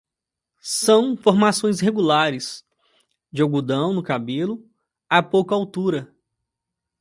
São formações regulares, de algodão no cabelo, a pouca altura.